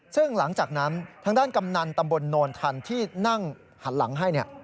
ซึ่งหลังจากนั้นทางด้านกำนันตำบลโนนทันที่นั่งหันหลังให้